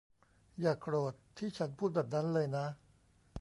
อย่าโกรธที่ฉันพูดแบบนั้นเลยนะ